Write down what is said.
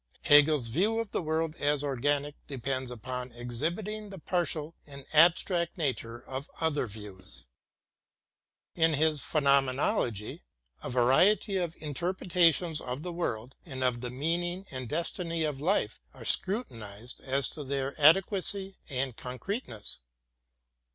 Hegel's view of the world as organic depends upon exhibiting the partial and abstract nature of other views. In his Phenomenology a variety of interpre tations of the world and of the meaning and destiny of life HEGEL 9 are scrutinized as to their adequacy and concreteness.